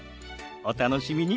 お楽しみに。